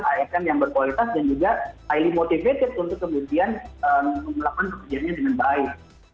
asn yang berkualitas dan juga highly motivated untuk kemudian melakukan pekerjaannya dengan baik